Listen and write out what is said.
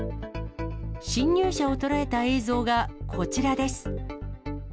侵入者を捉えた映像がこちらです。